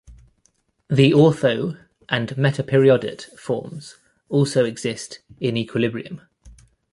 The ortho- and metaperiodate forms also exist in equilibrium.